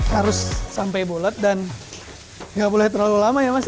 harus sampai bulat dan nggak boleh terlalu lama ya mas